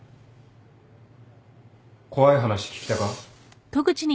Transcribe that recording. ・怖い話聞きたか？